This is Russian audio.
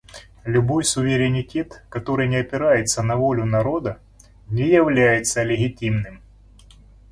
Любой суверенитет, который не опирается на волю народа, не является легитимным.